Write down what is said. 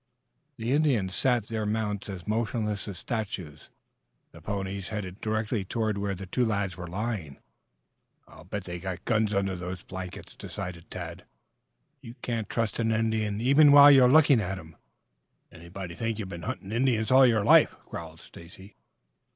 The Indians sat their mounts as motionless as statues, the ponies headed directly toward where the two lads were lying. "I'll bet they're got guns under those blankets," decided Tad. "You can't trust an Indian even while you are looking at him." "Anybody'd think you'd been hunting Indians all your life," growled Stacy.